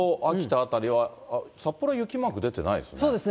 辺りは、札幌雪マーク、出てないですね。